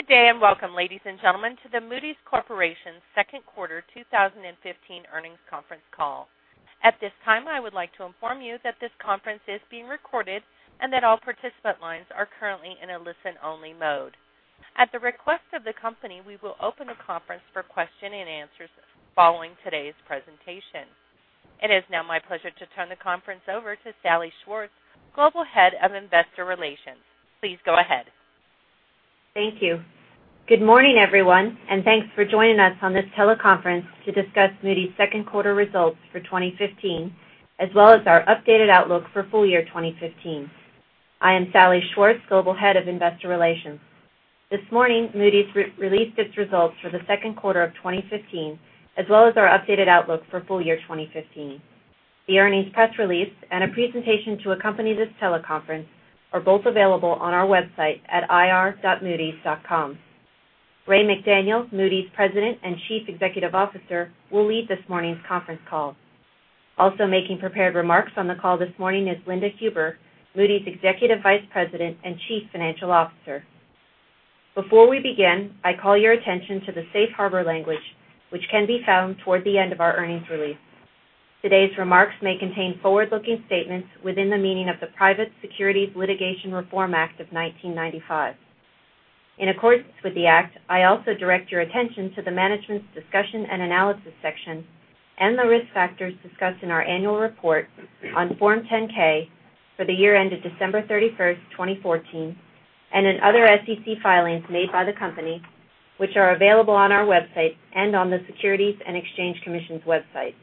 Good day, and welcome, ladies and gentlemen, to the Moody's Corporation second quarter 2015 earnings conference call. At this time, I would like to inform you that this conference is being recorded, and that all participant lines are currently in a listen-only mode. At the request of the company, we will open the conference for question and answers following today's presentation. It is now my pleasure to turn the conference over to Salli Schwartz, Global Head of Investor Relations. Please go ahead. Thank you. Good morning, everyone, and thanks for joining us on this teleconference to discuss Moody's second quarter results for 2015, as well as our updated outlook for full year 2015. I am Salli Schwartz, Global Head of Investor Relations. This morning, Moody's released its results for the second quarter of 2015, as well as our updated outlook for full year 2015. The earnings press release and a presentation to accompany this teleconference are both available on our website at ir.moodys.com. Raymond McDaniel, Moody's President and Chief Executive Officer, will lead this morning's conference call. Also making prepared remarks on the call this morning is Linda Huber, Moody's Executive Vice President and Chief Financial Officer. Before we begin, I call your attention to the safe harbor language, which can be found toward the end of our earnings release. Today's remarks may contain forward-looking statements within the meaning of the Private Securities Litigation Reform Act of 1995. In accordance with the act, I also direct your attention to the Management's Discussion and Analysis section, and the risk factors discussed in our annual report on Form 10-K for the year ended December 31st, 2014, and in other SEC filings made by the company, which are available on our website and on the Securities and Exchange Commission's website.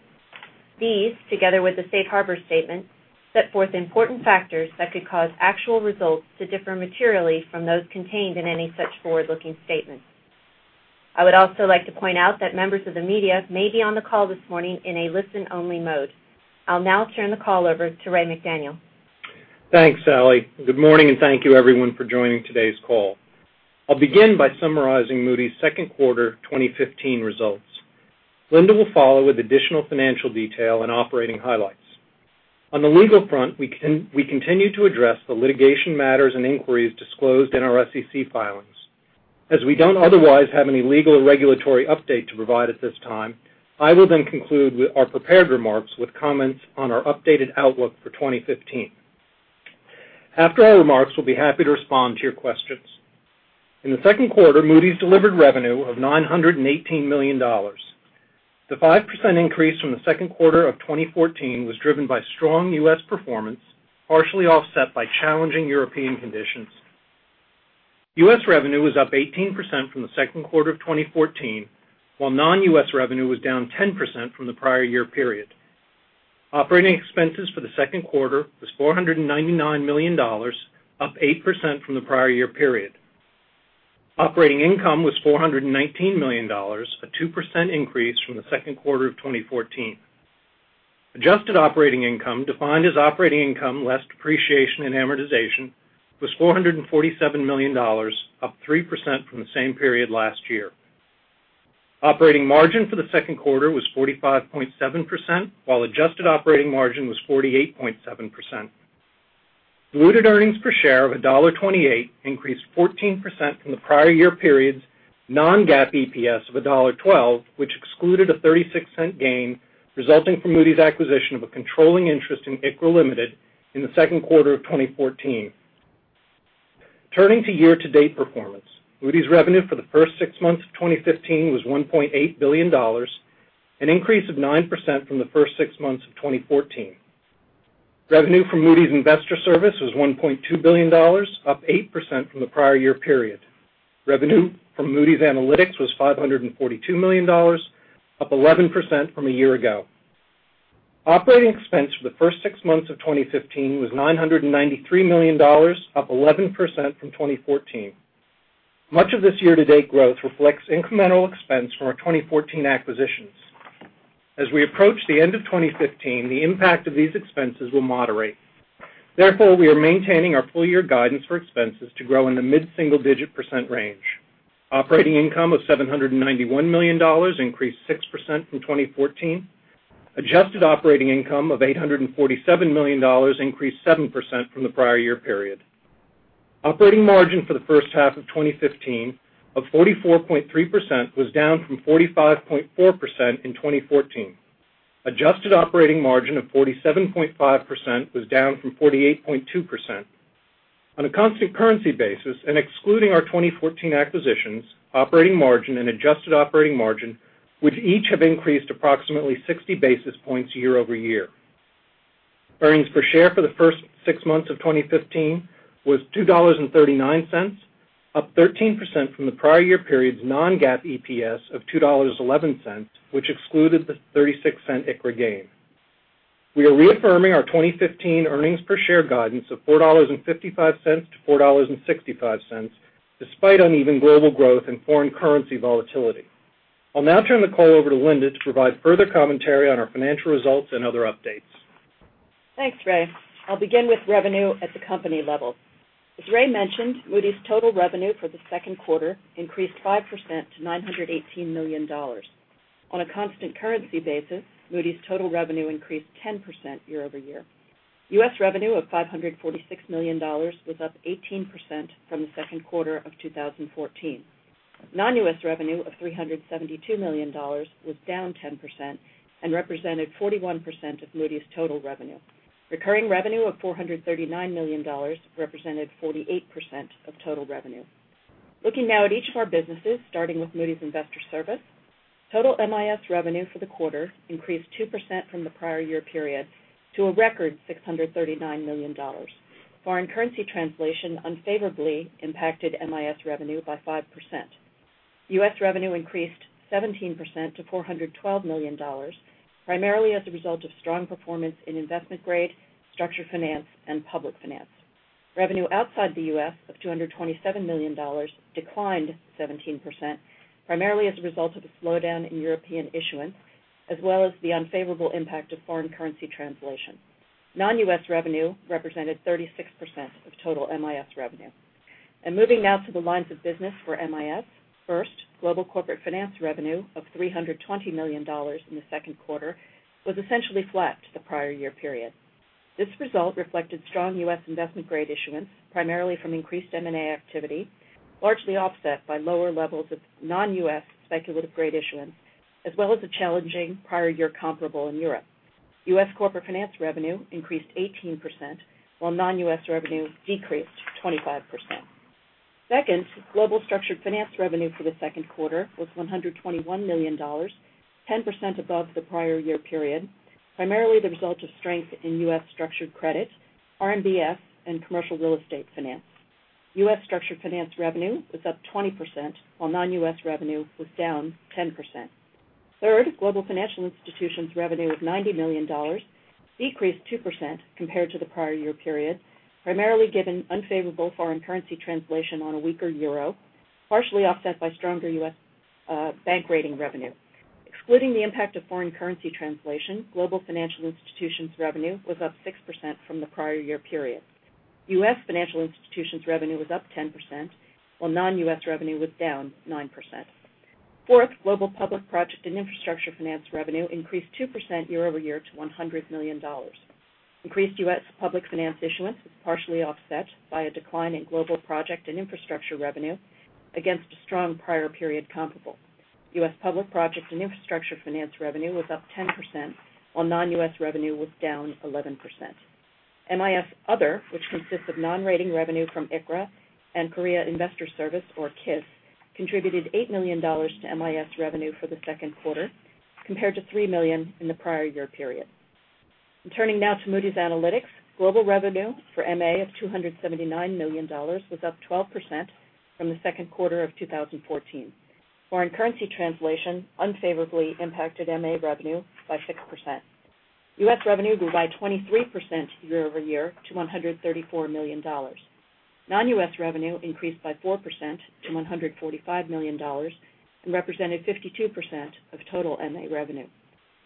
These, together with the safe harbor statement, set forth important factors that could cause actual results to differ materially from those contained in any such forward-looking statements. I would also like to point out that members of the media may be on the call this morning in a listen-only mode. I'll now turn the call over to Raymond McDaniel. Thanks, Sallie. Good morning, and thank you everyone for joining today's call. I'll begin by summarizing Moody's second quarter 2015 results. Linda will follow with additional financial detail and operating highlights. On the legal front, we continue to address the litigation matters and inquiries disclosed in our SEC filings. As we don't otherwise have any legal or regulatory update to provide at this time, I will then conclude our prepared remarks with comments on our updated outlook for 2015. After our remarks, we'll be happy to respond to your questions. In the second quarter, Moody's delivered revenue of $918 million. The 5% increase from the second quarter of 2014 was driven by strong U.S. performance, partially offset by challenging European conditions. U.S. revenue was up 18% from the second quarter of 2014, while non-U.S. revenue was down 10% from the prior year period. Operating expenses for the second quarter was $499 million, up 8% from the prior year period. Operating income was $419 million, a 2% increase from the second quarter of 2014. Adjusted operating income, defined as operating income less depreciation and amortization, was $447 million, up 3% from the same period last year. Operating margin for the second quarter was 45.7%, while adjusted operating margin was 48.7%. Diluted earnings per share of $1.28 increased 14% from the prior year period's non-GAAP EPS of $1.12, which excluded a $0.36 gain resulting from Moody's acquisition of a controlling interest in ICRA Limited in the second quarter of 2014. Turning to year-to-date performance, Moody's revenue for the first six months of 2015 was $1.8 billion, an increase of 9% from the first six months of 2014. Revenue from Moody's Investors Service was $1.2 billion, up 8% from the prior year period. Revenue from Moody's Analytics was $542 million, up 11% from a year ago. Operating expense for the first six months of 2015 was $993 million, up 11% from 2014. Much of this year-to-date growth reflects incremental expense from our 2014 acquisitions. As we approach the end of 2015, the impact of these expenses will moderate. We are maintaining our full year guidance for expenses to grow in the mid-single digit percent range. Operating income of $791 million increased 6% from 2014. Adjusted operating income of $847 million increased 7% from the prior year period. Operating margin for the first half of 2015 of 44.3% was down from 45.4% in 2014. Adjusted operating margin of 47.5% was down from 48.2%. On a constant currency basis and excluding our 2014 acquisitions, operating margin and adjusted operating margin would each have increased approximately 60 basis points year-over-year. Earnings per share for the first six months of 2015 was $2.39, up 13% from the prior year period's non-GAAP EPS of $2.11, which excluded the $0.36 ICRA gain. We are reaffirming our 2015 earnings per share guidance of $4.55-$4.65, despite uneven global growth and foreign currency volatility. I'll now turn the call over to Linda to provide further commentary on our financial results and other updates. Thanks, Ray. I'll begin with revenue at the company level. As Ray mentioned, Moody's total revenue for the second quarter increased 5% to $918 million. On a constant currency basis, Moody's total revenue increased 10% year-over-year. U.S. revenue of $546 million was up 18% from the second quarter of 2014. Non-U.S. revenue of $372 million was down 10% and represented 41% of Moody's total revenue. Recurring revenue of $439 million represented 48% of total revenue. Looking now at each of our businesses, starting with Moody's Investors Service, total MIS revenue for the quarter increased 2% from the prior year period to a record $639 million. Foreign currency translation unfavorably impacted MIS revenue by 5%. U.S. revenue increased 17% to $412 million, primarily as a result of strong performance in investment grade, structured finance, and public finance. Revenue outside the U.S. of $227 million declined 17%, primarily as a result of a slowdown in European issuance, as well as the unfavorable impact of foreign currency translation. Non-U.S. revenue represented 36% of total MIS revenue. Moving now to the lines of business for MIS. First, global corporate finance revenue of $320 million in the second quarter was essentially flat to the prior year period. This result reflected strong U.S. investment grade issuance, primarily from increased M&A activity, largely offset by lower levels of non-U.S. speculative grade issuance, as well as a challenging prior year comparable in Europe. U.S. corporate finance revenue increased 18%, while non-U.S. revenue decreased 25%. Second, global structured finance revenue for the second quarter was $121 million, 10% above the prior year period, primarily the result of strength in U.S. structured credit, RMBS, and commercial real estate finance. U.S. structured finance revenue was up 20%, while non-U.S. revenue was down 10%. Third, global financial institutions revenue of $90 million decreased 2% compared to the prior year period, primarily given unfavorable foreign currency translation on a weaker EUR, partially offset by stronger U.S. bank rating revenue. Excluding the impact of foreign currency translation, global financial institutions revenue was up 6% from the prior year period. U.S. financial institutions revenue was up 10%, while non-U.S. revenue was down 9%. Fourth, global public project and infrastructure finance revenue increased 2% year-over-year to $100 million. Increased U.S. public finance issuance was partially offset by a decline in global project and infrastructure revenue against a strong prior period comparable. U.S. public projects and infrastructure finance revenue was up 10%, while non-U.S. revenue was down 11%. MIS other, which consists of non-rating revenue from ICRA and Korea Investor Service or KIS, contributed $8 million to MIS revenue for the second quarter, compared to $3 million in the prior year period. Turning now to Moody's Analytics. Global revenue for MA of $279 million was up 12% from the second quarter of 2014. Foreign currency translation unfavorably impacted MA revenue by 6%. U.S. revenue grew by 23% year-over-year to $134 million. Non-U.S. revenue increased by 4% to $145 million and represented 52% of total MA revenue.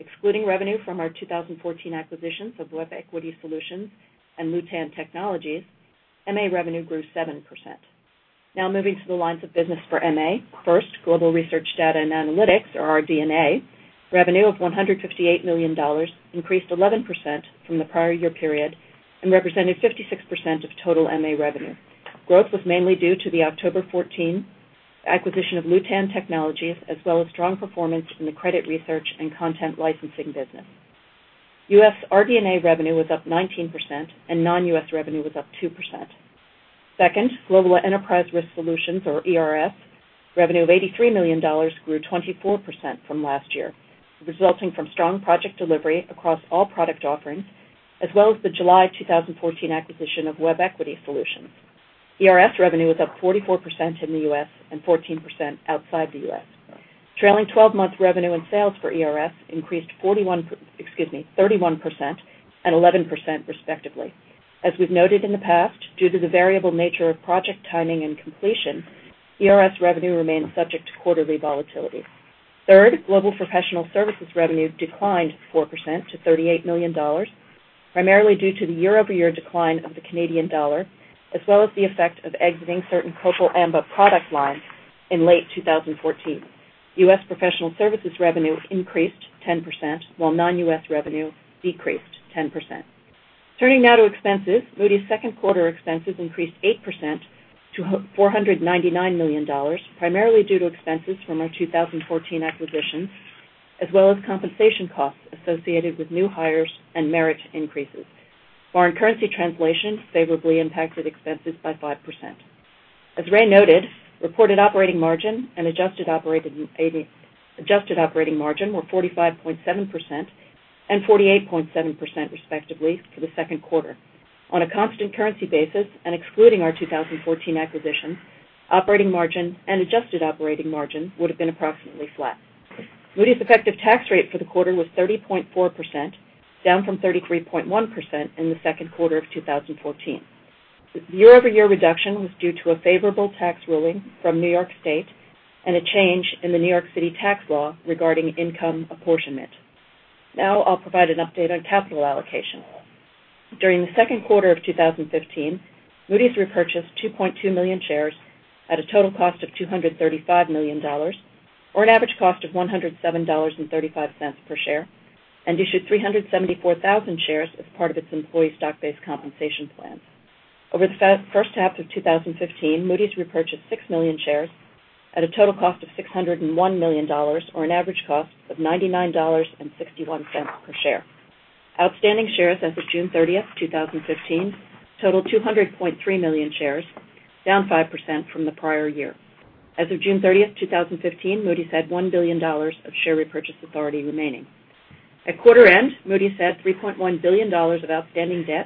Excluding revenue from our 2014 acquisitions of Web Equity Solutions and Lewtan Technologies, MA revenue grew 7%. Moving to the lines of business for MA. First, global Research, Data and Analytics or RD&A revenue of $158 million increased 11% from the prior year period and represented 56% of total MA revenue. Growth was mainly due to the October 2014 acquisition of Lewtan Technologies as well as strong performance in the credit research and content licensing business. U.S. RD&A revenue was up 19% and non-U.S. revenue was up 2%. Second, global Enterprise Risk Solutions or ERS revenue of $83 million grew 24% from last year, resulting from strong project delivery across all product offerings as well as the July 2014 acquisition of Web Equity Solutions. ERS revenue was up 44% in the U.S. and 14% outside the U.S. Trailing 12-month revenue and sales for ERS increased 31% and 11% respectively. As we've noted in the past, due to the variable nature of project timing and completion, ERS revenue remains subject to quarterly volatility. Global professional services revenue declined 4% to $38 million, primarily due to the year-over-year decline of the Canadian dollar, as well as the effect of exiting certain corporate Amba product lines in late 2014. U.S. professional services revenue increased 10%, while non-U.S. revenue decreased 10%. Turning now to expenses. Moody's second quarter expenses increased 8% to $499 million, primarily due to expenses from our 2014 acquisition, as well as compensation costs associated with new hires and merit increases. Foreign currency translation favorably impacted expenses by 5%. As Ray noted, reported operating margin and adjusted operating margin were 45.7% and 48.7% respectively for the second quarter. On a constant currency basis and excluding our 2014 acquisition, operating margin and adjusted operating margin would have been approximately flat. Moody's effective tax rate for the quarter was 30.4%, down from 33.1% in the second quarter of 2014. The year-over-year reduction was due to a favorable tax ruling from New York State and a change in the New York City tax law regarding income apportionment. Now I'll provide an update on capital allocation. During the second quarter of 2015, Moody's repurchased 2.2 million shares at a total cost of $235 million, or an average cost of $107.35 per share, and issued 374,000 shares as part of its employee stock-based compensation plan. Over the first half of 2015, Moody's repurchased 6 million shares at a total cost of $601 million, or an average cost of $99.61 per share. Outstanding shares as of June 30th, 2015, total 200.3 million shares, down 5% from the prior year. As of June 30th, 2015, Moody's had $1 billion of share repurchase authority remaining. At quarter end, Moody's had $3.1 billion of outstanding debt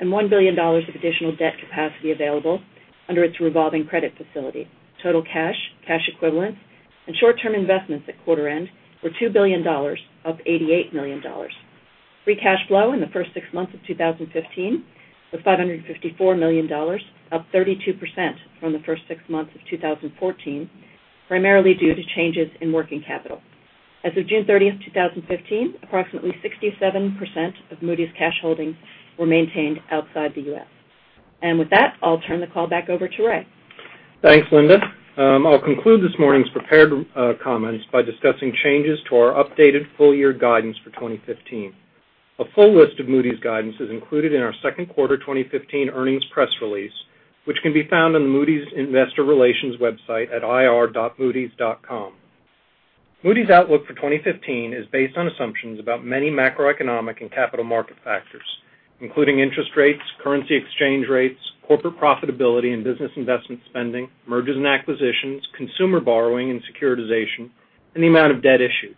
and $1 billion of additional debt capacity available under its revolving credit facility. Total cash equivalents, and short-term investments at quarter end were $2 billion, up $88 million. Free cash flow in the first six months of 2015 was $554 million, up 32% from the first six months of 2014, primarily due to changes in working capital. As of June 30th, 2015, approximately 67% of Moody's cash holdings were maintained outside the U.S. With that, I'll turn the call back over to Ray. Thanks, Linda. I'll conclude this morning's prepared comments by discussing changes to our updated full-year guidance for 2015. A full list of Moody's guidance is included in our second quarter 2015 earnings press release, which can be found on the Moody's Investor Relations website at ir.moodys.com. Moody's outlook for 2015 is based on assumptions about many macroeconomic and capital market factors, including interest rates, currency exchange rates, corporate profitability and business investment spending, mergers and acquisitions, consumer borrowing and securitization, and the amount of debt issued.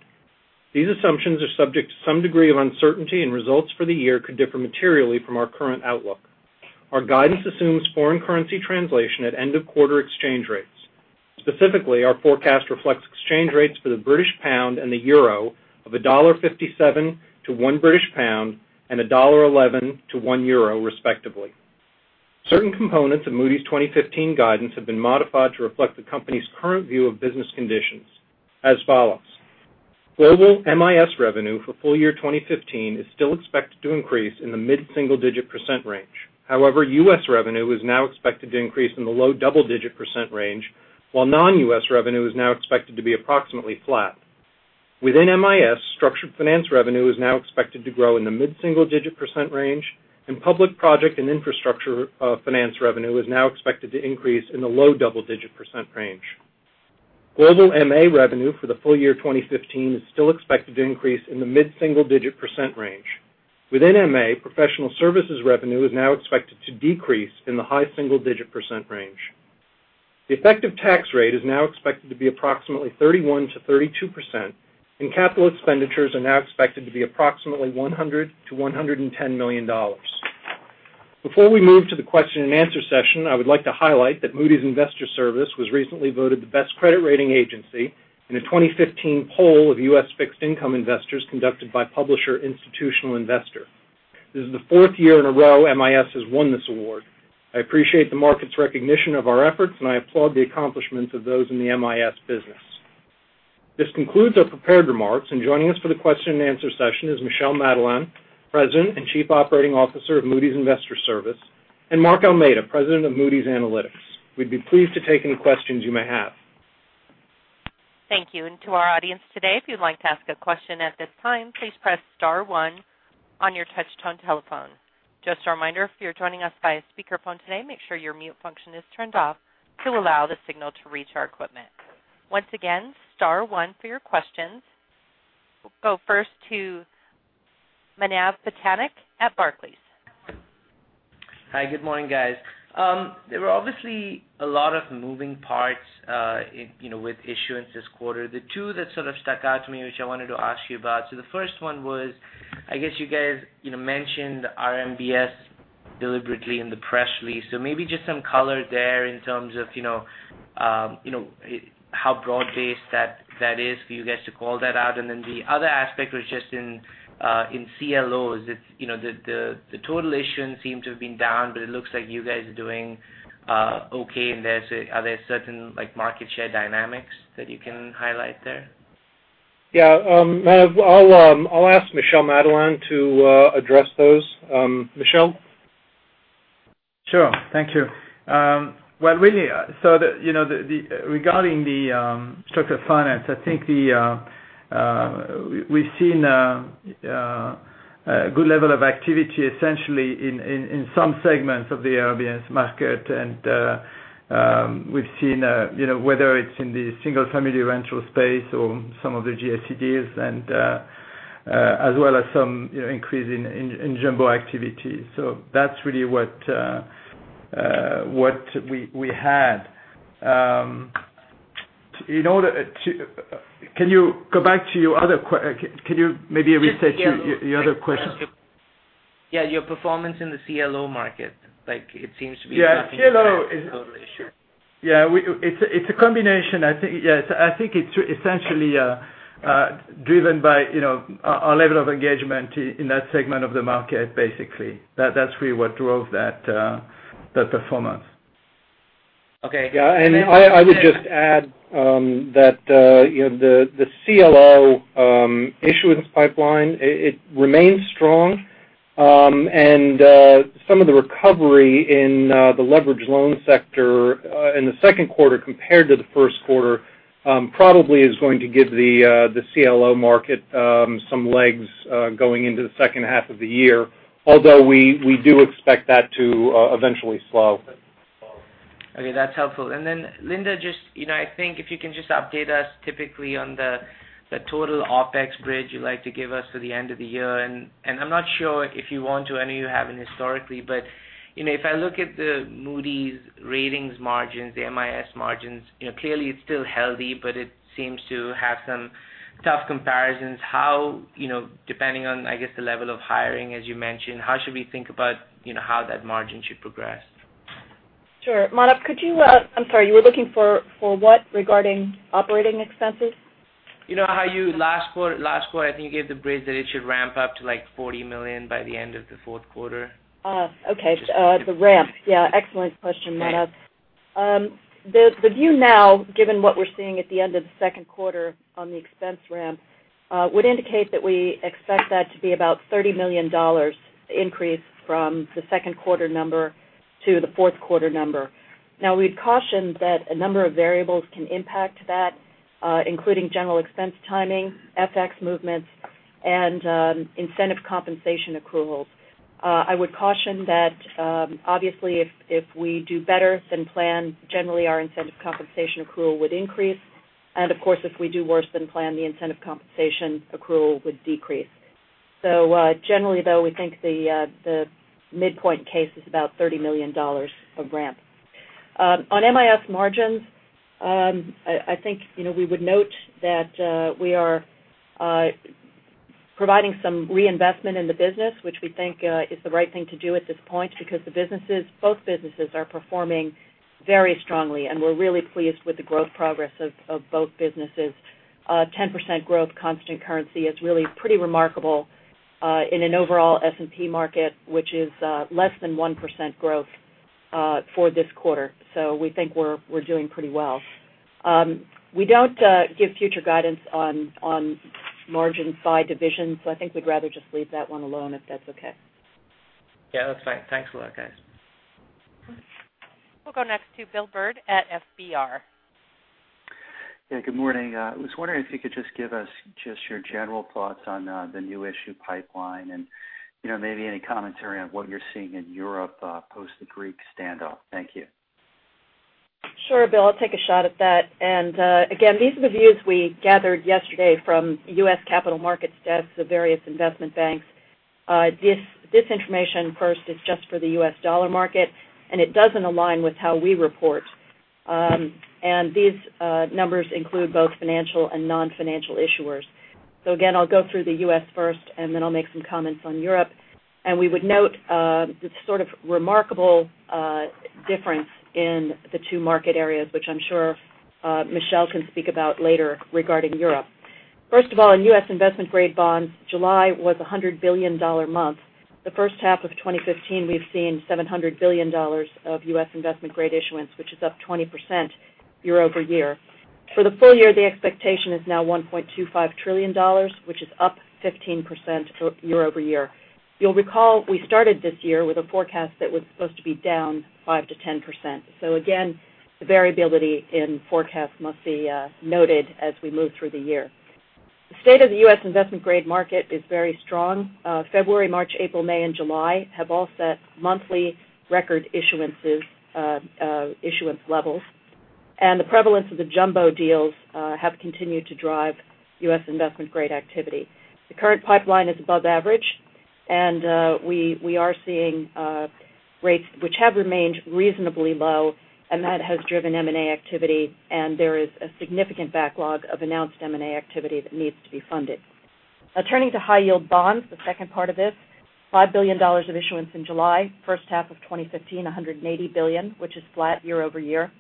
These assumptions are subject to some degree of uncertainty, and results for the year could differ materially from our current outlook. Our guidance assumes foreign currency translation at end-of-quarter exchange rates. Specifically, our forecast reflects exchange rates for the British pound and the euro of $1.57 to GBP 1 British, and $1.11 to 1 euro respectively. Certain components of Moody's 2015 guidance have been modified to reflect the company's current view of business conditions as follows. Global MIS revenue for full year 2015 is still expected to increase in the mid-single digit % range. However, U.S. revenue is now expected to increase in the low double-digit % range, while non-U.S. revenue is now expected to be approximately flat. Within MIS, structured finance revenue is now expected to grow in the mid-single digit % range, and Public Project and Infrastructure Finance revenue is now expected to increase in the low double-digit % range. Global MA revenue for the full year 2015 is still expected to increase in the mid-single digit % range. Within MA, professional services revenue is now expected to decrease in the high single-digit % range. The effective tax rate is now expected to be approximately 31% to 32%, and capital expenditures are now expected to be approximately $100 to $110 million. Before we move to the question and answer session, I would like to highlight that Moody's Investors Service was recently voted the best credit rating agency in a 2015 poll of US fixed-income investors conducted by publisher Institutional Investor. This is the fourth year in a row MIS has won this award. I appreciate the market's recognition of our efforts, and I applaud the accomplishments of those in the MIS business. This concludes our prepared remarks, and joining us for the question and answer session is Michel Madelain, President and Chief Operating Officer of Moody's Investors Service, and Mark Almeida, President of Moody's Analytics. We'd be pleased to take any questions you may have. The effective tax rate is now expected to be approximately 31%-32%, and capital expenditures are now expected to be approximately $100 million-$110 million. Before we move to the question and answer session, I would like to highlight that Moody's Investors Service was recently voted the best credit rating agency in a 2015 poll of U.S. fixed-income investors conducted by publisher Institutional Investor. This is the fourth year in a row MIS has won this award. I appreciate the market's recognition of our efforts, and I applaud the accomplishments of those in the MIS business. Joining us for the question and answer session is Michel Madelain, President and Chief Operating Officer of Moody's Investors Service, and Mark Almeida, President of Moody's Analytics. We'd be pleased to take any questions you may have. Hi, good morning, guys. There were obviously a lot of moving parts with issuance this quarter. The two that sort of stuck out to me, which I wanted to ask you about. The first one was, I guess you guys mentioned RMBS deliberately in the press release. Maybe just some color there in terms of how broad-based that is for you guys to call that out. The other aspect was just in CLOs. The total issuance seems to have been down, it looks like you guys are doing okay in there, are there certain market share dynamics that you can highlight there? Yeah. Manav, I'll ask Michel Madelain to address those. Michel? Sure. Thank you. Regarding the structured finance, I think we've seen a good level of activity essentially in some segments of the RMBS market. We've seen whether it's in the single-family rental space or some of the GSE CRTs, as well as some increase in jumbo activity. That's really what we had. Can you maybe restate your other question? Yeah, your performance in the CLO market. Yeah, total issue. Yeah, it's a combination. I think it's essentially driven by our level of engagement in that segment of the market, basically. That's really what drove that performance. Okay. Yeah, I would just add that the CLO issuance pipeline, it remains strong. Some of the recovery in the leveraged loan sector in the second quarter compared to the first quarter probably is going to give the CLO market some legs going into the second half of the year, although we do expect that to eventually slow. Okay, that's helpful. Linda, I think if you can just update us typically on the total OpEx bridge you like to give us for the end of the year. I'm not sure if you want to. I know you haven't historically, but if I look at the Moody's ratings margins, the MIS margins, clearly it's still healthy, but it seems to have some tough comparisons. Depending on, I guess, the level of hiring, as you mentioned, how should we think about how that margin should progress? Sure. Manav, I'm sorry, you were looking for what regarding operating expenses? You know how last quarter, I think you gave the bridge that it should ramp up to $40 million by the end of the fourth quarter. Okay. The ramp. Yeah. Excellent question, Manav. The view now, given what we're seeing at the end of the second quarter on the expense ramp, would indicate that we expect that to be about $30 million increase from the second quarter number to the fourth quarter number. We'd caution that a number of variables can impact that, including general expense timing, FX movements, and incentive compensation accruals. I would caution that obviously if we do better than planned, generally our incentive compensation accrual would increase. Of course, if we do worse than planned, the incentive compensation accrual would decrease. Generally, though, we think the midpoint case is about $30 million of ramp. On MIS margins, I think we would note that we are providing some reinvestment in the business, which we think is the right thing to do at this point because both businesses are performing very strongly, and we're really pleased with the growth progress of both businesses. A 10% growth constant currency is really pretty remarkable in an overall S&P market, which is less than 1% growth for this quarter. We think we're doing pretty well. We don't give future guidance on margin side divisions, I think we'd rather just leave that one alone if that's okay. Yeah, that's fine. Thanks a lot, guys. We'll go next to Bill Byrd at FBR. Yeah, good morning. I was wondering if you could just give us your general thoughts on the new issue pipeline and maybe any commentary on what you're seeing in Europe post the Greek standoff. Thank you. Sure, Bill, I'll take a shot at that. Again, these are the views we gathered yesterday from U.S. capital markets desks of various investment banks. This information first is just for the U.S. dollar market, and it doesn't align with how we report. These numbers include both financial and non-financial issuers. Again, I'll go through the U.S. first. Then I'll make some comments on Europe. We would note the sort of remarkable difference in the two market areas, which I'm sure Michelle can speak about later regarding Europe. First of all, in U.S. investment grade bonds, July was $100 billion month. The first half of 2015, we've seen $700 billion of U.S. investment grade issuance, which is up 20% year-over-year. For the full year, the expectation is now $1.25 trillion, which is up 15% year-over-year. You'll recall we started this year with a forecast that was supposed to be down 5%-10%. Again, the variability in forecasts must be noted as we move through the year. The state of the U.S. investment grade market is very strong. February, March, April, May, and July have all set monthly record issuance levels. The prevalence of the jumbo deals have continued to drive U.S. investment grade activity. The current pipeline is above average, and we are seeing rates which have remained reasonably low. That has driven M&A activity, and there is a significant backlog of announced M&A activity that needs to be funded. Turning to high yield bonds, the second part of this, $5 billion of issuance in July, first half of 2015, $180 billion, which is flat year-over-year.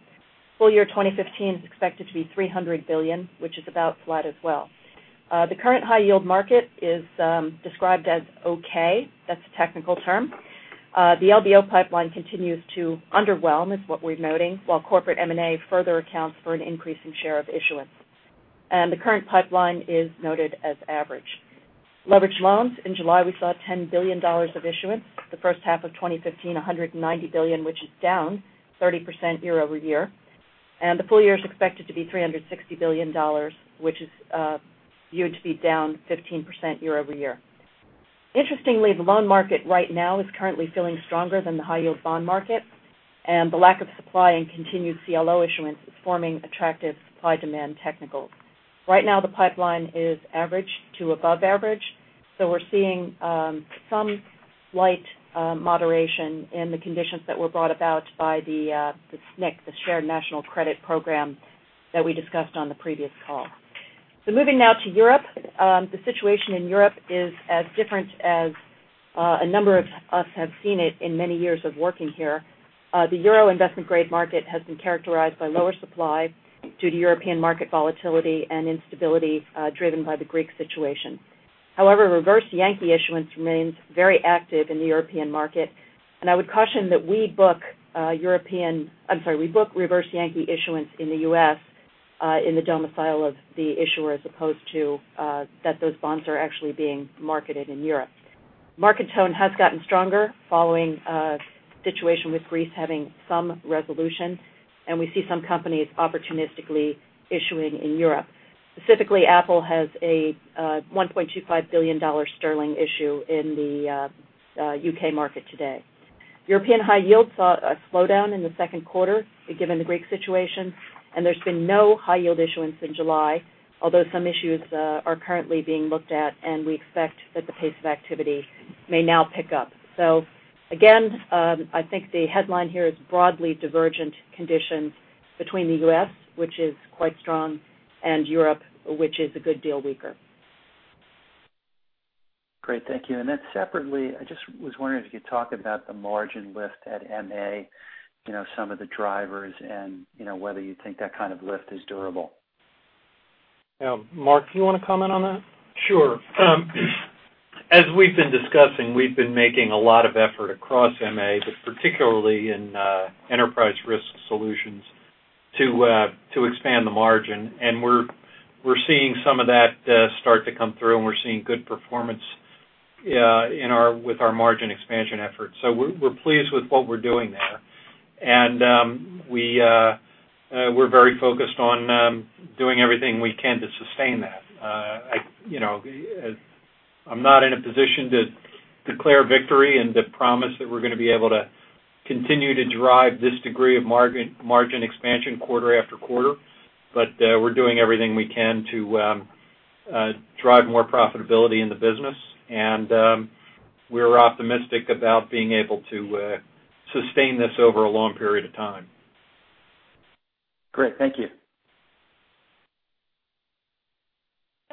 Full year 2015 is expected to be $300 billion, which is about flat as well. The current high yield market is described as okay. That's a technical term. The LBO pipeline continues to underwhelm, is what we're noting, while corporate M&A further accounts for an increase in share of issuance. The current pipeline is noted as average. Leveraged loans. In July, we saw $10 billion of issuance. The first half of 2015, $190 billion, which is down 30% year-over-year. The full year is expected to be $360 billion, which is viewed to be down 15% year-over-year. Interestingly, the loan market right now is currently feeling stronger than the high yield bond market, and the lack of supply and continued CLO issuance is forming attractive supply-demand technicals. Right now, the pipeline is average to above average. We're seeing some slight moderation in the conditions that were brought about by the SNCC, the Shared National Credit program that we discussed on the previous call. Moving now to Europe. The situation in Europe is as different as a number of us have seen it in many years of working here. The euro investment grade market has been characterized by lower supply due to European market volatility and instability driven by the Greek situation. However, reverse Yankee issuance remains very active in the European market. I would caution that we book reverse Yankee issuance in the U.S. in the domicile of the issuer, as opposed to that those bonds are actually being marketed in Europe. Market tone has gotten stronger following a situation with Greece having some resolution, and we see some companies opportunistically issuing in Europe. Specifically, Apple has a $1.25 billion sterling issue in the U.K. market today. European high yield saw a slowdown in the second quarter given the Greek situation. There's been no high yield issuance in July, although some issues are currently being looked at. We expect that the pace of activity may now pick up. Again, I think the headline here is broadly divergent conditions between the U.S., which is quite strong, and Europe, which is a good deal weaker. Great. Thank you. Separately, I just was wondering if you could talk about the margin lift at MA, some of the drivers, and whether you think that kind of lift is durable. Mark, do you want to comment on that? Sure. As we've been discussing, we've been making a lot of effort across MA, but particularly in enterprise risk solutions to expand the margin. We're seeing some of that start to come through, and we're seeing good performance with our margin expansion efforts. We're pleased with what we're doing there. We're very focused on doing everything we can to sustain that. I'm not in a position to declare victory and to promise that we're going to be able to continue to drive this degree of margin expansion quarter after quarter. We're doing everything we can to drive more profitability in the business. We're optimistic about being able to sustain this over a long period of time. Great. Thank you.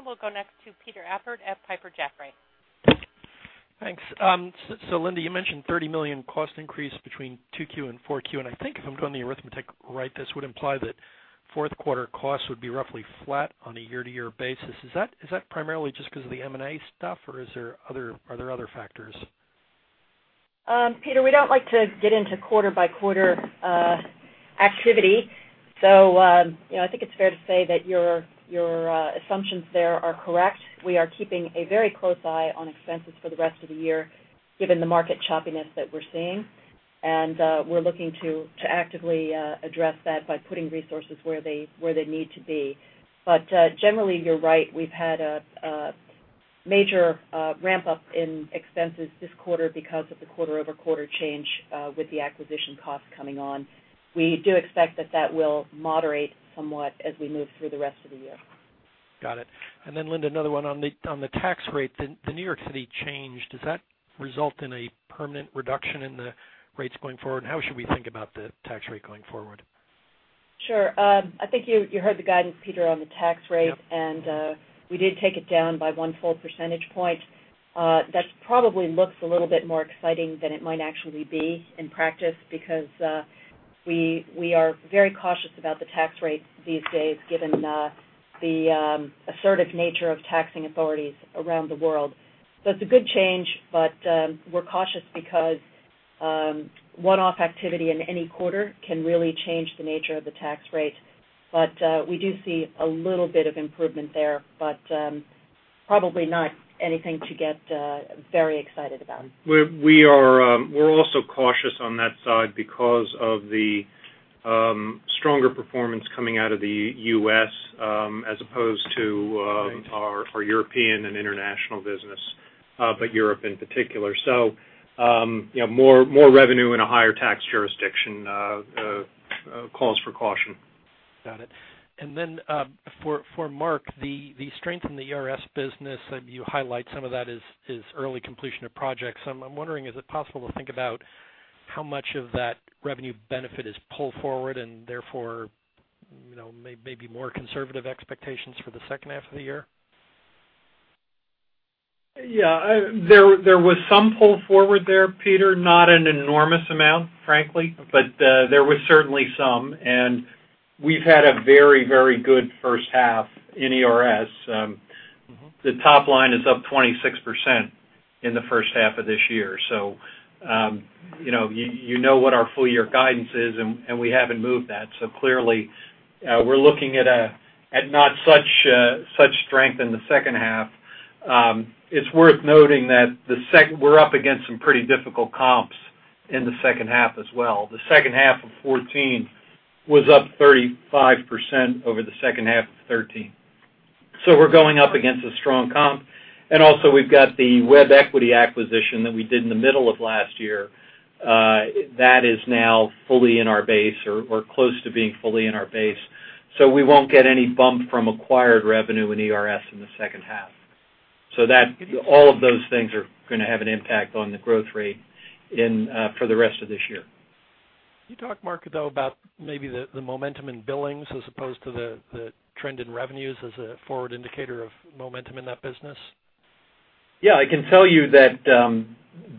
We'll go next to Peter Appert at Piper Jaffray. Thanks. Linda, you mentioned $30 million cost increase between Q2 and Q4. I think if I'm doing the arithmetic right, this would imply that fourth quarter costs would be roughly flat on a year-to-year basis. Are there primarily just because of the M&A stuff, or are there other factors? Peter, we don't like to get into quarter-by-quarter activity. I think it's fair to say that your assumptions there are correct. We are keeping a very close eye on expenses for the rest of the year, given the market choppiness that we're seeing. We're looking to actively address that by putting resources where they need to be. Generally you're right, we've had a major ramp-up in expenses this quarter because of the quarter-over-quarter change with the acquisition costs coming on. We do expect that that will moderate somewhat as we move through the rest of the year. Got it. Linda, another one on the tax rate. The New York City change, does that result in a permanent reduction in the rates going forward? How should we think about the tax rate going forward? Sure. I think you heard the guidance, Peter, on the tax rate. Yeah. We did take it down by one full percentage point. That probably looks a little bit more exciting than it might actually be in practice because we are very cautious about the tax rate these days given the assertive nature of taxing authorities around the world. It's a good change, but we're cautious because one-off activity in any quarter can really change the nature of the tax rate. We do see a little bit of improvement there, but probably not anything to get very excited about. We're also cautious on that side because of the stronger performance coming out of the U.S. as opposed to- Right our European and international business, but Europe in particular. More revenue in a higher tax jurisdiction calls for caution. Got it. For Mark, the strength in the ERS business, you highlight some of that is early completion of projects. I'm wondering, is it possible to think about how much of that revenue benefit is pulled forward and therefore maybe more conservative expectations for the second half of the year? There was some pull forward there, Peter Appert. Not an enormous amount, frankly. There was certainly some, and we've had a very good first half in ERS. The top line is up 26% in the first half of this year. You know what our full-year guidance is, and we haven't moved that. Clearly, we're looking at not such strength in the second half. It's worth noting that we're up against some pretty difficult comps in the second half as well. The second half of 2014 was up 35% over the second half of 2013. We're going up against a strong comp. Also, we've got the WebEquity Solutions acquisition that we did in the middle of last year. That is now fully in our base or close to being fully in our base. We won't get any bump from acquired revenue in ERS in the second half. All of those things are going to have an impact on the growth rate for the rest of this year. Can you talk, Mark Almeida, though, about maybe the momentum in billings as opposed to the trend in revenues as a forward indicator of momentum in that business? I can tell you that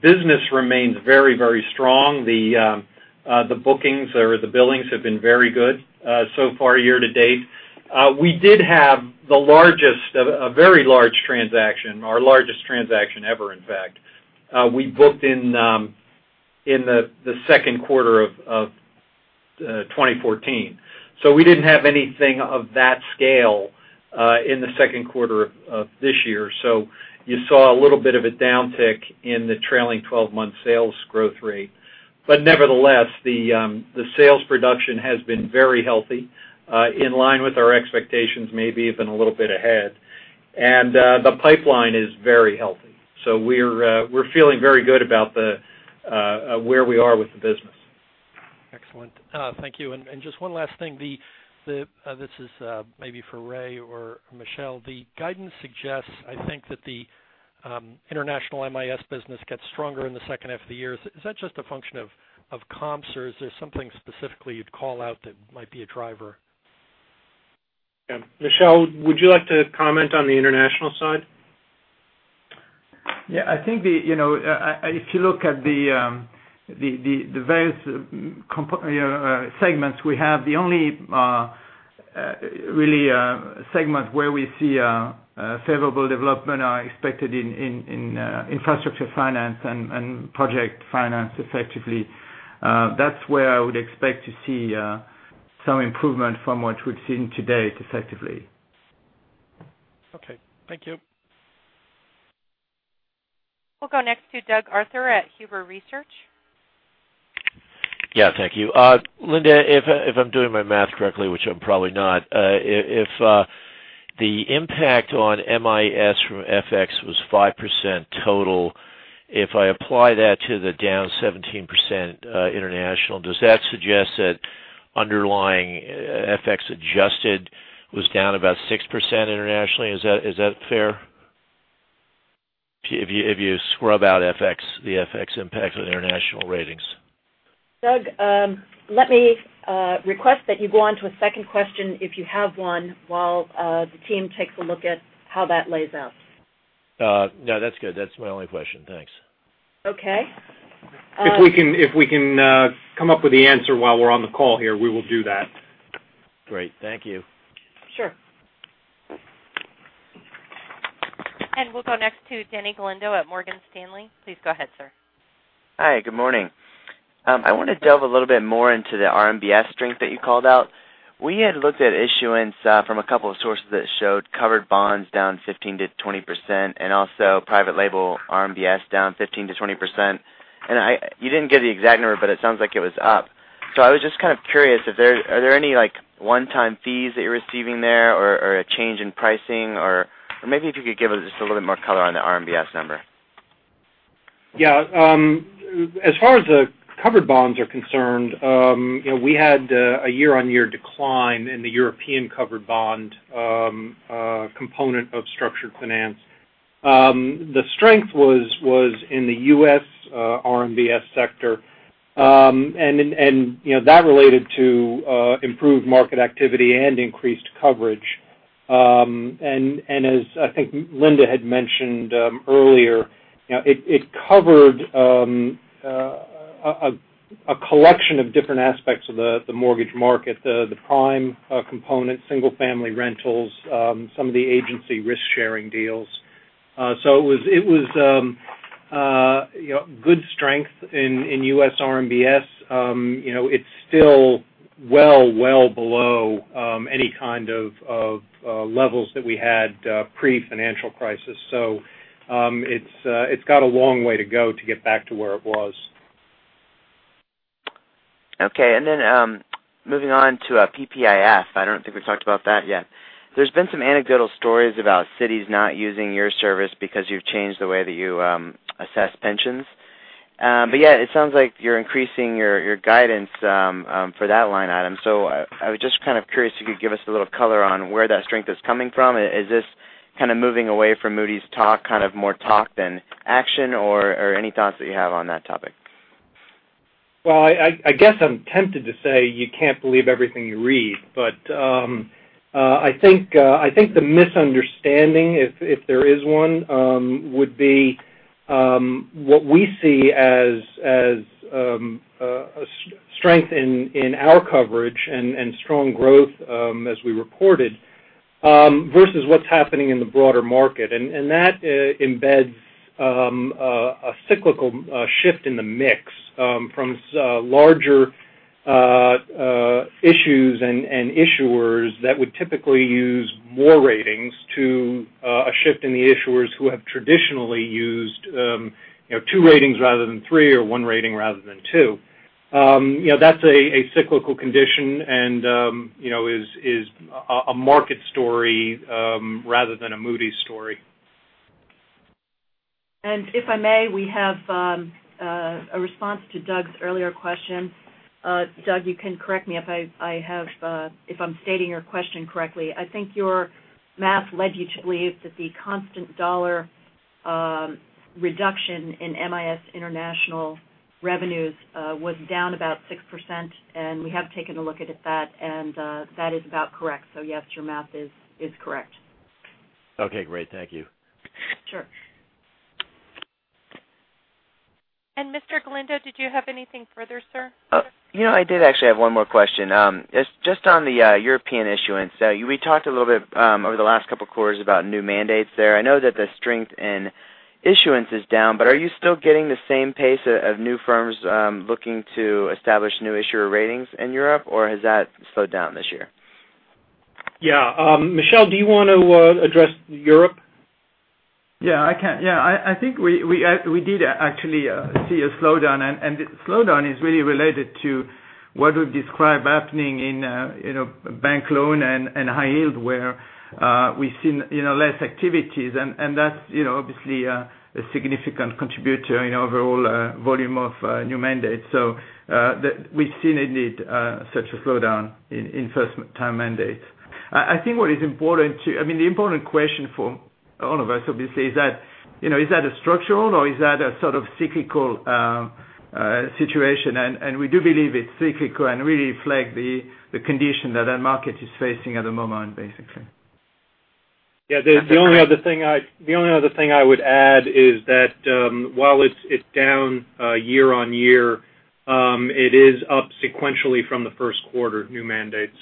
Business remains very strong. The bookings or the billings have been very good so far year-to-date. We did have a very large transaction, our largest transaction ever, in fact. We booked in the second quarter of 2014. We didn't have anything of that scale in the second quarter of this year. Nevertheless, the sales production has been very healthy, in line with our expectations, maybe even a little bit ahead. The pipeline is very healthy. We're feeling very good about where we are with the business. Just one last thing. This is maybe for Ray or Michel. The guidance suggests, I think that the international MIS business gets stronger in the second half of the year. Is that just a function of comps, or is there something specifically you'd call out that might be a driver? Michel, would you like to comment on the international side? Yeah. If you look at the various segments we have, the only segment where we see a favorable development are expected in infrastructure finance and project finance effectively. That's where I would expect to see some improvement from what we've seen to date effectively. Okay. Thank you. We'll go next to Doug Arthur at Huber Research. Yeah, thank you. Linda, if I'm doing my math correctly, which I'm probably not, if the impact on MIS from FX was 5% total, if I apply that to the down 17% international, does that suggest that underlying FX adjusted was down about 6% internationally? Is that fair? If you scrub out the FX impact on international ratings. Doug, let me request that you go on to a second question if you have one, while the team takes a look at how that lays out. No, that's good. That's my only question. Thanks. Okay. If we can come up with the answer while we're on the call here, we will do that. Great. Thank you. Sure. We'll go next to Denny Galindo at Morgan Stanley. Please go ahead, sir. Hi. Good morning. I want to delve a little bit more into the RMBS strength that you called out. We had looked at issuance from a couple of sources that showed covered bonds down 15%-20%, also private label RMBS down 15%-20%. You didn't give the exact number, but it sounds like it was up. I was just kind of curious if there are any one-time fees that you're receiving there or a change in pricing, or maybe if you could give us just a little bit more color on the RMBS number. Yeah. As far as the covered bonds are concerned, we had a year-on-year decline in the European covered bond component of structured finance. The strength was in the U.S. RMBS sector. That related to improved market activity and increased coverage. As I think Linda had mentioned earlier, it covered a collection of different aspects of the mortgage market, the prime component, single-family rentals, some of the agency risk-sharing deals. It was good strength in U.S. RMBS. It's still well below any kind of levels that we had pre-financial crisis. It's got a long way to go to get back to where it was. Okay. Moving on to PFG. I don't think we've talked about that yet. There's been some anecdotal stories about cities not using your service because you've changed the way that you assess pensions. Yeah, it sounds like you're increasing your guidance for that line item. I was just kind of curious if you could give us a little color on where that strength is coming from. Is this kind of moving away from Moody's talk kind of more talk than action, or any thoughts that you have on that topic? Well, I guess I'm tempted to say you can't believe everything you read, I think the misunderstanding, if there is one, would be what we see as strength in our coverage and strong growth as we reported versus what's happening in the broader market. That embeds a cyclical shift in the mix from larger issues and issuers that would typically use more ratings to a shift in the issuers who have traditionally used two ratings rather than three or one rating rather than two. That's a cyclical condition and is a market story rather than a Moody's story. If I may, we have a response to Doug's earlier question. Doug, you can correct me if I'm stating your question correctly. I think your math led you to believe that the constant dollar reduction in MIS international revenues was down about 6%, we have taken a look at that is about correct. Yes, your math is correct. Okay, great. Thank you. Sure. Mr. Galindo, did you have anything further, sir? I did actually have one more question. Just on the European issuance. We talked a little bit over the last couple of quarters about new mandates there. I know that the strength in issuance is down, but are you still getting the same pace of new firms looking to establish new issuer ratings in Europe, or has that slowed down this year? Yeah. Michel, do you want to address Europe? Yeah, I can. I think we did actually see a slowdown. The slowdown is really related to what we've described happening in bank loan and high yield where we've seen less activities, and that's obviously a significant contributor in overall volume of new mandates. We've seen indeed such a slowdown in first-time mandates. I think what is important, the important question for all of us, obviously, is that a structural or is that a sort of cyclical situation? We do believe it's cyclical and really reflects the condition that that market is facing at the moment, basically. Yeah. The only other thing I would add is that while it's down year-over-year, it is up sequentially from the first quarter new mandates.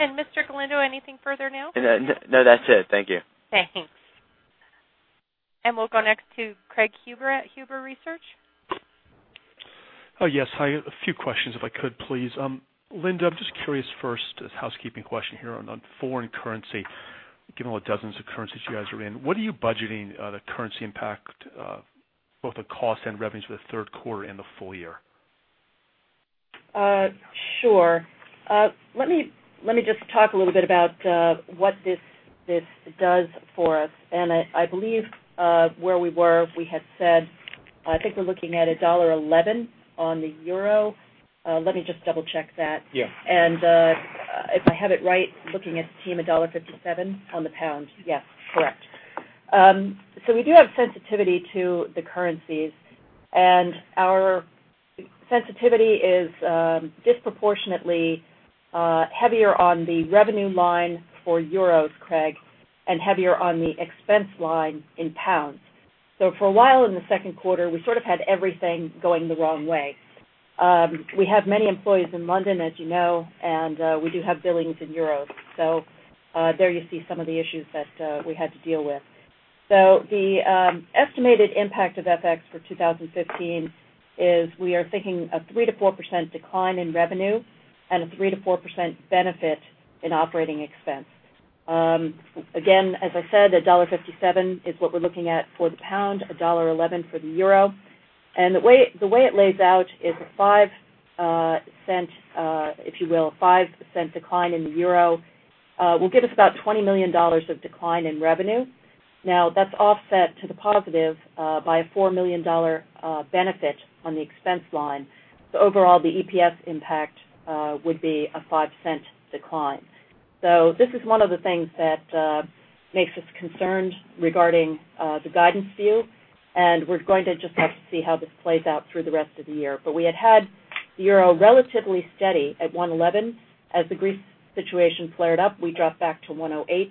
Mr. Galindo, anything further now? No, that's it. Thank you. Thanks. We'll go next to Craig Huber at Huber Research. Yes. Hi. A few questions if I could, please. Linda, I'm just curious first, a housekeeping question here on foreign currency. Given what dozens of currencies you guys are in, what are you budgeting the currency impact, both the cost and revenues for the third quarter and the full year? Sure. Let me just talk a little bit about what this does for us. I believe where we were, we had said, I think we're looking at $1.11 on the euro. Let me just double-check that. Yeah. If I have it right, looking at the team $1.57 on the pound. Yes, correct. We do have sensitivity to the currencies, and our sensitivity is disproportionately heavier on the revenue line for euros, Craig, and heavier on the expense line in pounds. For a while in the second quarter, we sort of had everything going the wrong way. We have many employees in London, as you know, and we do have billings in euros. There you see some of the issues that we had to deal with. The estimated impact of FX for 2015 is we are thinking a 3%-4% decline in revenue and a 3%-4% benefit in operating expense. Again, as I said, $1.57 is what we're looking at for the pound, $1.11 for the euro. The way it lays out is a $0.05, if you will, 5% decline in the euro will give us about $20 million of decline in revenue. That's offset to the positive by a $4 million benefit on the expense line. Overall, the EPS impact would be a 5% decline. This is one of the things that makes us concerned regarding the guidance to you, and we're going to just have to see how this plays out through the rest of the year. We had had the euro relatively steady at $1.11. As the Greece situation flared up, we dropped back to $1.08,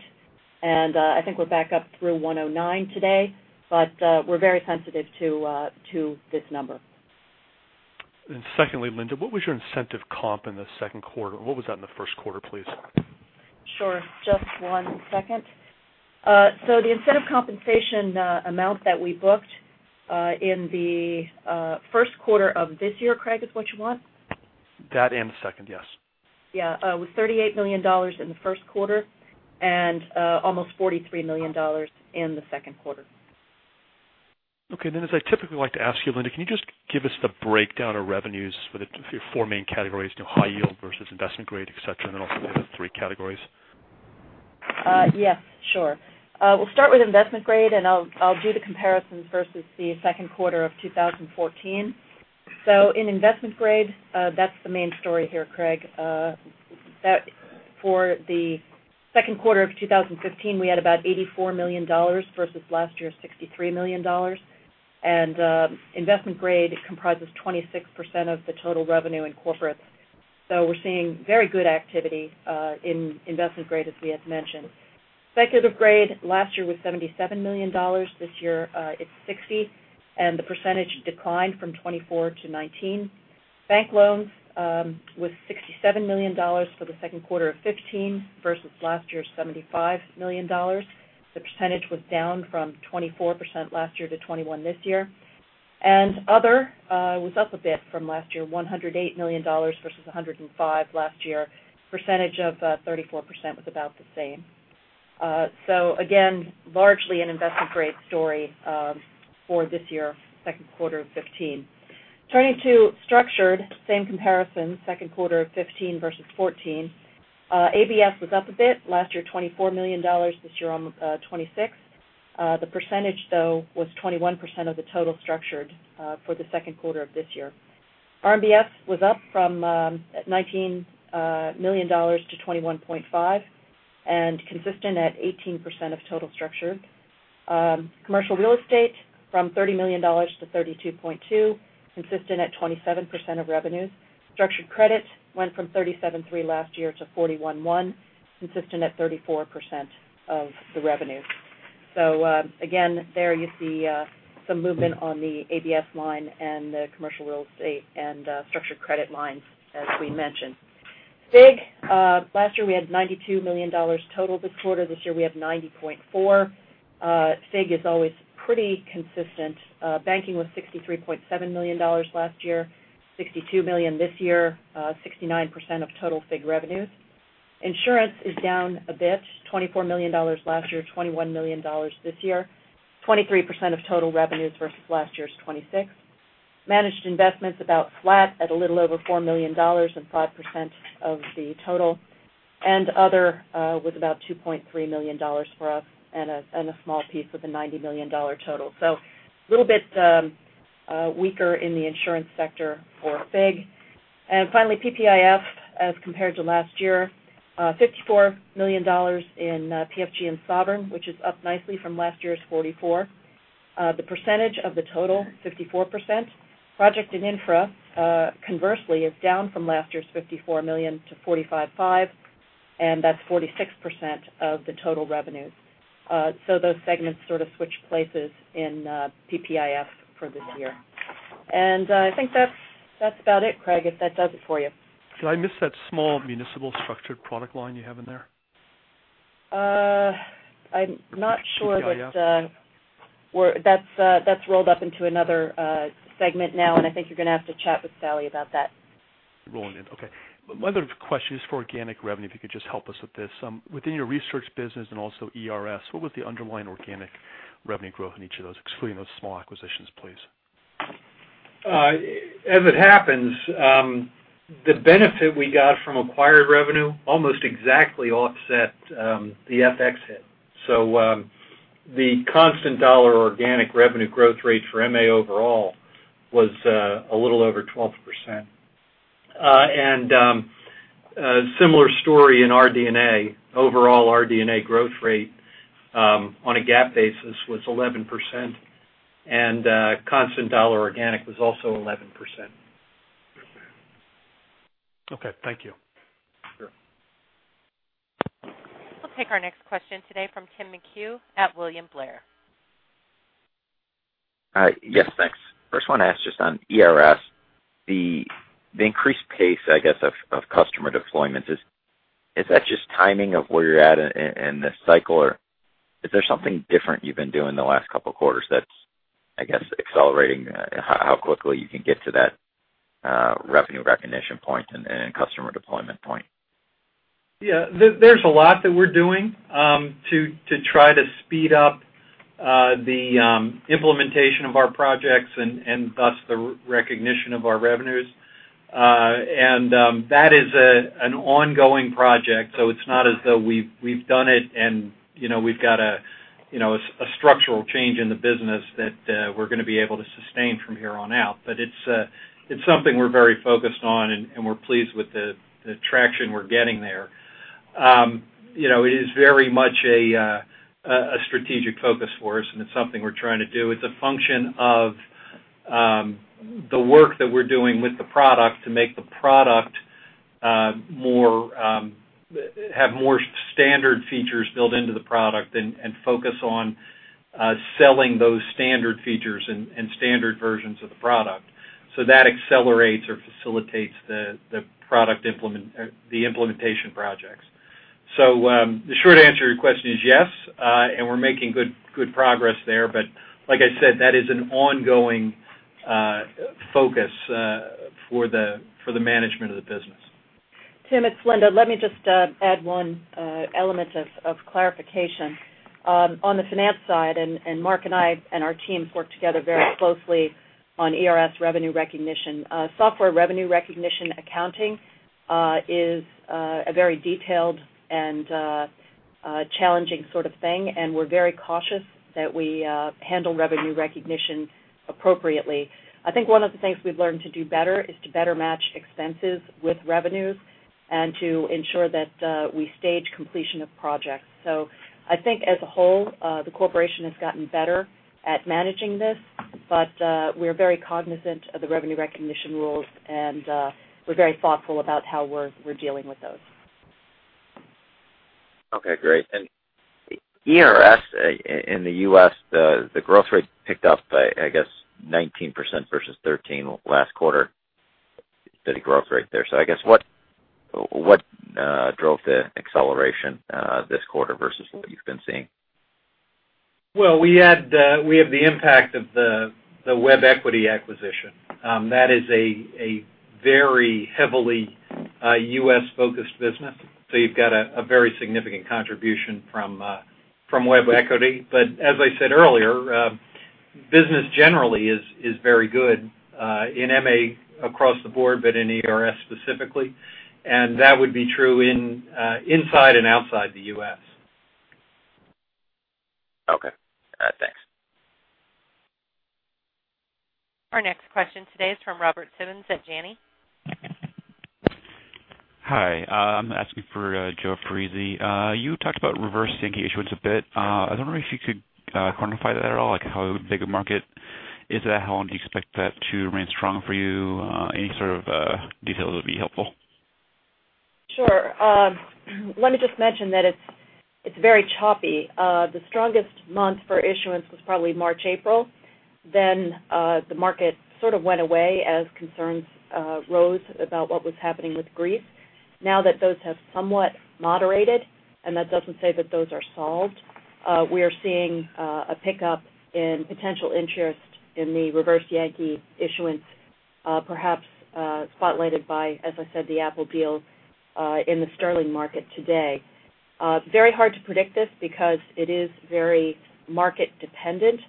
and I think we're back up through $1.09 today. We're very sensitive to this number. Secondly, Linda, what was your incentive comp in the second quarter? What was that in the first quarter, please? Sure. Just one second. The incentive compensation amount that we booked in the first quarter of this year, Craig, is what you want? That the second, yes. Yeah. It was $38 million in the first quarter and almost $43 million in the second quarter. Okay. As I typically like to ask you, Linda, can you just give us the breakdown of revenues for the four main categories, high yield versus investment grade, et cetera, and then also the other three categories? Yes, sure. We'll start with investment grade, and I'll do the comparison versus the second quarter of 2014. In investment grade, that's the main story here, Craig. For the second quarter of 2015, we had about $84 million versus last year's $63 million. Investment grade comprises 26% of the total revenue in corporate. We're seeing very good activity in investment grade, as we had mentioned. Speculative grade last year was $77 million. This year it's $60 million, and the percentage declined from 24% to 19%. Bank loans was $67 million for the second quarter of '15 versus last year's $75 million. The percentage was down from 24% last year to 21% this year. Other was up a bit from last year, $108 million versus $105 million last year. Percentage of 34% was about the same. Again, largely an investment-grade story for this year, second quarter of '15. Turning to structured, same comparison, second quarter of '15 versus '14. ABS was up a bit. Last year, $24 million. This year, $26 million. The percentage though was 21% of the total structured for the second quarter of this year. RMBS was up from $19 million to $21.5 million. Consistent at 18% of total structure. Commercial real estate from $30 million to $32.2 million, consistent at 27% of revenues. Structured credit went from $37.3 million last year to $41.1 million, consistent at 34% of the revenues. Again, there you see some movement on the ABS line and the commercial real estate and structured credit lines, as we mentioned. FIG, last year we had $92 million total this quarter. This year we have $90.4 million. FIG is always pretty consistent. Banking was $63.7 million last year, $62 million this year, 69% of total FIG revenues. Insurance is down a bit, $24 million last year, $21 million this year. 23% of total revenues versus last year's 26%. Managed investments about flat at a little over $4 million and 5% of the total. Other was about $2.3 million for us and a small piece with a $90 million total. A little bit weaker in the insurance sector for FIG. Finally, PPIF as compared to last year, $54 million in PFG and sovereign, which is up nicely from last year's 44. The percentage of the total, 54%. Project and infra, conversely, is down from last year's $54 million to 45.5, and that's 46% of the total revenues. Those segments sort of switch places in PPIF for this year. I think that's about it, Craig, if that does it for you. Did I miss that small municipal structured product line you have in there? I'm not sure. That's rolled up into another segment now, and I think you're going to have to chat with Sallie about that. Rolling it in. Okay. My other question is for organic revenue, if you could just help us with this. Within your research business and also ERS, what was the underlying organic revenue growth in each of those, excluding those small acquisitions, please? As it happens, the benefit we got from acquired revenue almost exactly offset the FX hit. The constant dollar organic revenue growth rate for MA overall was a little over 12%. A similar story in RD&A. Overall, RD&A growth rate, on a GAAP basis, was 11%, and constant dollar organic was also 11%. Okay. Thank you. Sure. We'll take our next question today from Tim McHugh at William Blair. Yes. Thanks. First one asks just on ERS, the increased pace, I guess, of customer deployments, is that just timing of where you're at in this cycle or is there something different you've been doing the last couple of quarters that's, I guess, accelerating how quickly you can get to that revenue recognition point and customer deployment point? Yeah. There's a lot that we're doing to try to speed up the implementation of our projects and thus the recognition of our revenues. That is an ongoing project, so it's not as though we've done it and we've got a structural change in the business that we're going to be able to sustain from here on out. It's something we're very focused on, and we're pleased with the traction we're getting there. It is very much a strategic focus for us, and it's something we're trying to do. It's a function of the work that we're doing with the product to make the product have more standard features built into the product and focus on selling those standard features and standard versions of the product. That accelerates or facilitates the implementation projects. The short answer to your question is yes, and we're making good progress there. Like I said, that is an ongoing focus for the management of the business. Tim, it's Linda. Let me just add one element of clarification. On the finance side, Mark and I and our teams work together very closely on ERS revenue recognition. Software revenue recognition accounting is a very detailed and challenging sort of thing, and we're very cautious that we handle revenue recognition appropriately. I think one of the things we've learned to do better is to better match expenses with revenues and to ensure that we stage completion of projects. I think as a whole, the corporation has gotten better at managing this, we're very cognizant of the revenue recognition rules, and we're very thoughtful about how we're dealing with those. Okay. Great. ERS in the U.S., the growth rate picked up by, I guess, 19% versus 13% last quarter. Steady growth rate there. I guess what drove the acceleration this quarter versus what you've been seeing? We have the impact of the WebEquity acquisition. That is a very heavily U.S.-focused business. You've got a very significant contribution from WebEquity. As I said earlier, business generally is very good in MA across the board, but in ERS specifically, and that would be true inside and outside the U.S. Okay. Our next question today is from Robert Simmons at Janney. Hi. I'm asking for Joseph Parisi. You talked about reverse Yankee issuance a bit. I was wondering if you could quantify that at all, like how big a market is that? How long do you expect that to remain strong for you? Any sort of detail would be helpful. Sure. Let me just mention that it's very choppy. The strongest month for issuance was probably March, April. The market sort of went away as concerns rose about what was happening with Greece. Now that those have somewhat moderated, and that doesn't say that those are solved, we are seeing a pickup in potential interest in the reverse Yankee issuance perhaps spotlighted by, as I said, the Apple deal in the sterling market today. Very hard to predict this because it is very market dependent.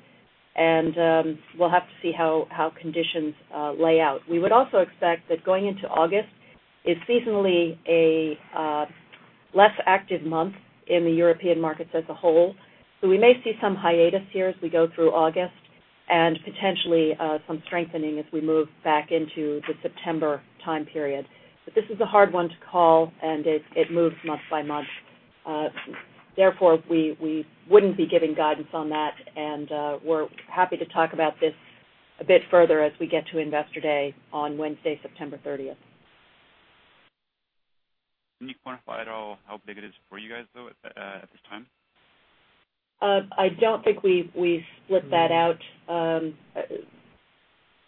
We'll have to see how conditions lay out. We would also expect that going into August is seasonally a less active month in the European markets as a whole. We may see some hiatus here as we go through August and potentially some strengthening as we move back into the September time period. This is a hard one to call, and it moves month-over-month. Therefore, we wouldn't be giving guidance on that, and we're happy to talk about this a bit further as we get to Investor Day on Wednesday, September 30th. Can you quantify at all how big it is for you guys, though, at this time? I don't think we split that out. I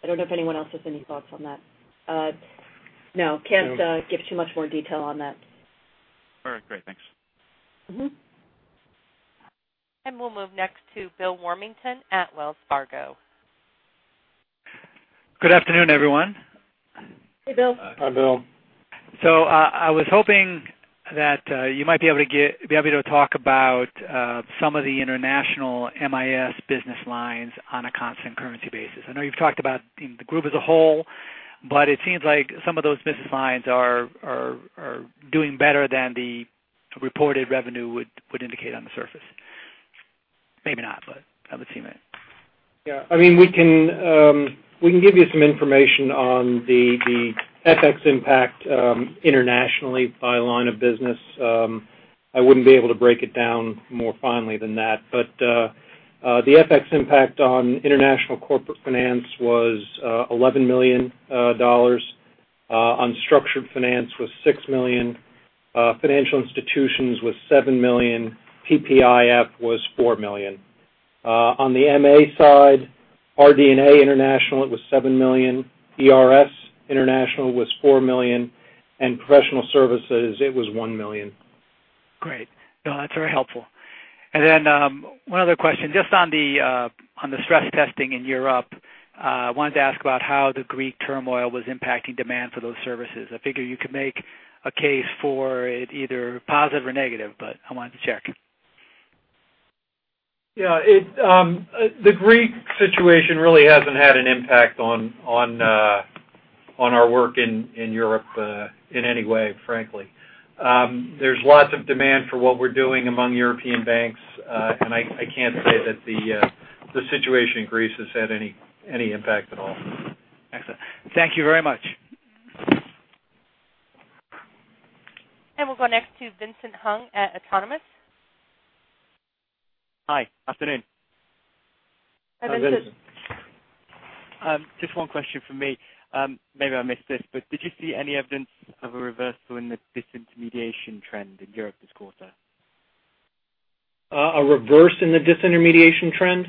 don't know if anyone else has any thoughts on that. No, can't give too much more detail on that. All right. Great. Thanks. We'll move next to William Warmington at Wells Fargo. Good afternoon, everyone. Hey, Bill. Hi, Bill. I was hoping that you might be able to talk about some of the international MIS business lines on a constant currency basis. I know you've talked about the group as a whole, but it seems like some of those business lines are doing better than the reported revenue would indicate on the surface. Maybe not, but I would assume that. We can give you some information on the FX impact internationally by line of business. I wouldn't be able to break it down more finely than that. The FX impact on international corporate finance was $11 million. On structured finance was $6 million. Financial institutions was $7 million. PPIF was $4 million. On the MA side, RD&A International, it was $7 million. ERS International was $4 million, and professional services, it was $1 million. Great. Bill, that's very helpful. One other question, just on the stress testing in Europe, I wanted to ask about how the Greek turmoil was impacting demand for those services. I figure you could make a case for it either positive or negative, but I wanted to check. The Greek situation really hasn't had an impact on our work in Europe in any way, frankly. There's lots of demand for what we're doing among European banks. I can't say that the situation in Greece has had any impact at all. Excellent. Thank you very much. We'll go next to Vincent Hung at Autonomous. Hi. Afternoon. Hi, Vincent. Hi, Vincent. Just one question from me. Maybe I missed this, but did you see any evidence of a reversal in the disintermediation trend in Europe this quarter? A reverse in the disintermediation trend?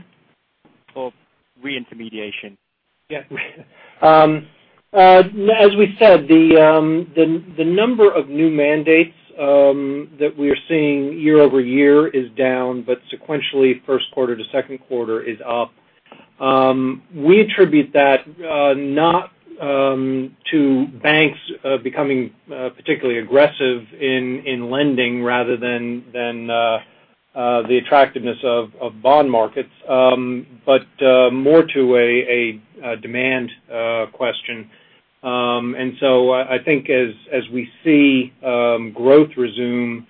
reintermediation. Yeah. As we said, the number of new mandates that we're seeing year-over-year is down, but sequentially, first quarter to second quarter is up. We attribute that not to banks becoming particularly aggressive in lending rather than the attractiveness of bond markets, but more to a demand question. I think as we see growth resume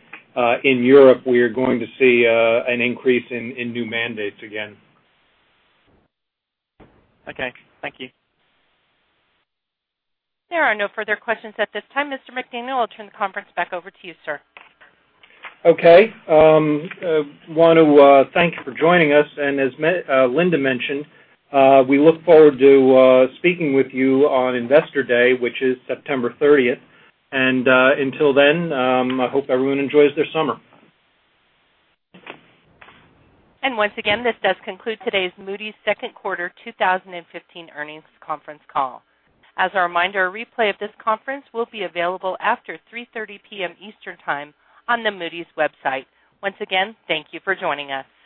in Europe, we are going to see an increase in new mandates again. Okay. Thank you. There are no further questions at this time. Mr. McDaniel, I'll turn the conference back over to you, sir. Okay. I want to thank you for joining us. As Linda mentioned, we look forward to speaking with you on Investor Day, which is September 30th. Until then, I hope everyone enjoys their summer. Once again, this does conclude today's Moody's second quarter 2015 earnings conference call. As a reminder, a replay of this conference will be available after 3:30 P.M. Eastern Time on the Moody's website. Once again, thank you for joining us.